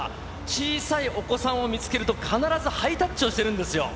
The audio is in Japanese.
小さいお子さんを見つけると、必ずハイタッチをしているんですよ。